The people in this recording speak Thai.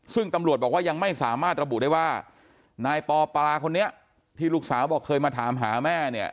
ซึ่งตำรวจบอกว่ายังไม่สามารถระบุได้ว่านายปอปาคนนี้ที่ลูกสาวบอกเคยมาถามหาแม่เนี่ย